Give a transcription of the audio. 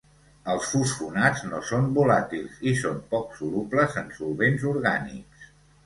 Els fosfonats no són volàtils i són poc solubles en solvents orgànics.